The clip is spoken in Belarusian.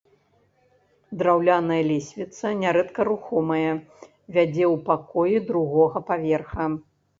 Драўляная лесвіца, нярэдка рухомая, вядзе ў пакоі другога паверха.